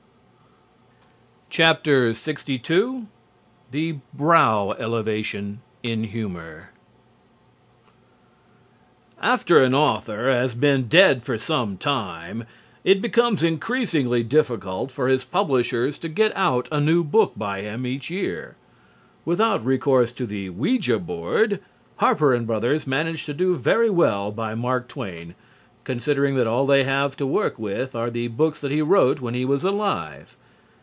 LXII THE BROW ELEVATION IN HUMOR After an author has been dead for some time, it becomes increasingly difficult for his publishers to get out a new book by him each year. Without recourse to the ouija board, Harper & Brothers manage to do very well by Mark Twain, considering that all they have to work with are the books that he wrote when he was alive.